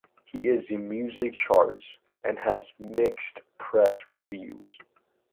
He is in music charts and has mixed press reviews